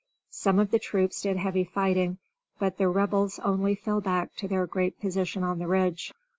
Some of the troops did heavy fighting, but the Rebels only fell back to their great position on the Ridge.